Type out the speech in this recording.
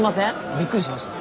びっくりしました。